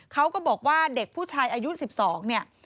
เขาก็บอกว่าเด็กผู้ชายอายุ๑๒เนี่ย